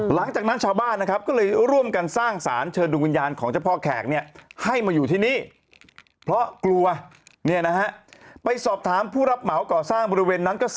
หลังจากนั้นชาวบ้านก็เลยร่วมกันสร้างศาลเชิญดุงวิญญาณของเจ้าพ่อแขก